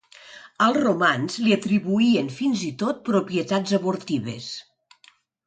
Els romans li atribuïen fins i tot propietats abortives.